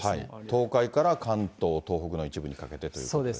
東海から関東、東北の一部にかけてということですね。